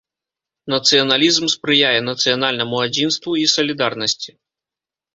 Нацыяналізм спрыяе нацыянальнаму адзінству і салідарнасці.